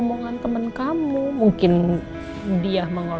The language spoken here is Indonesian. jangan dibantah jangan dijawab